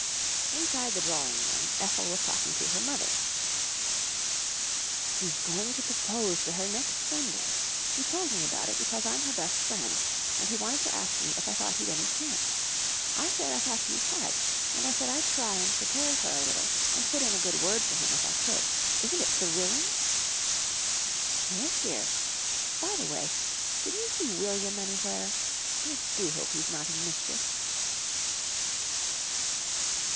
Inside the drawing room, Ethel was talking to her mother. "He's going to propose to her next Sunday. He told me about it because I'm her best friend, and he wanted to ask me if I thought he'd any chance. I said I thought he had, and I said I'd try and prepare her a little and put in a good word for him if I could. Isn't it thrilling?" "Yes, dear. By the way, did you see William anywhere? I do hope he's not in mischief."